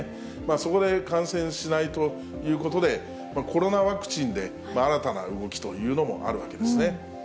そこで、感染しないということで、コロナワクチンで新たな動きというのもあるわけですね。